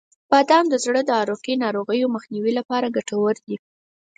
• بادام د زړه د عروقی ناروغیو مخنیوي لپاره ګټور دي.